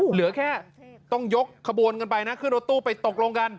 เหลือแค่ต้องยกขบวนกันไปนะขึ้นรถตู้ไปตกลงกัน